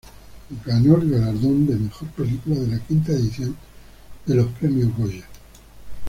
Ganó el galardón de mejor película de la V edición de los Premios Goya.